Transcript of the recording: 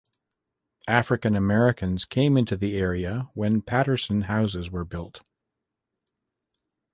African-Americans came into the area when Patterson Houses were built.